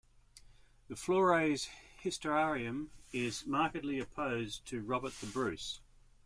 The Flores Historiarum is markedly opposed to Robert the Bruce.